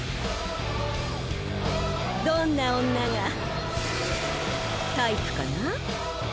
どんな女がタイプかな？